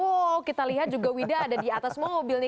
wow kita lihat juga wida ada di atas mobil nih